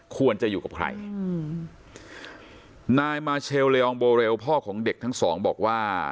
ควรจะอยู่กับใครอืมนายมาเชลเลอองโบเรลพ่อของเด็กทั้งสองบอกว่า